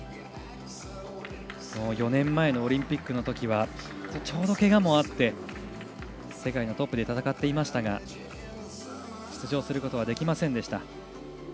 ４年前のオリンピックのときはちょうどけがもあって世界のトップで戦っていましたが出場することができませんでした。